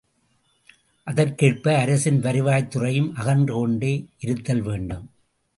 அதற்கேற்ப அரசின் வருவாய்த் துறையும் அகன்று கொண்டே இருத்தல் வேண்டும்.